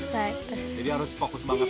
jadi harus fokus banget